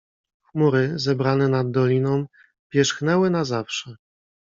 "Chmury, zebrane nad doliną pierzchnęły na zawsze."